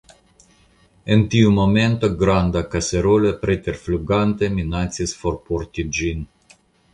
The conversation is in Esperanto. En tiu momento granda kaserolo preterflugante minacis forporti ĝin.